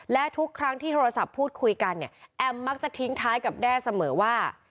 และทุกครั้งที่โทรศัพท์พูดคุยกันเนี่ยแอมมักจะทิ้งท้ายกับแด้เสมอว่า